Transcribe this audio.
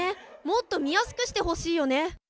もっと見やすくしてほしいよね。